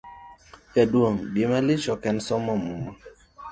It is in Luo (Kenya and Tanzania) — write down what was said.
jaduong' gimalich ok en somo muma